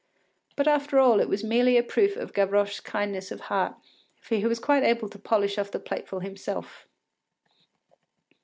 ” But after all it was merely a proof of Gavroche’s kindness of heart, for he was quite able to polish off the plateful himself.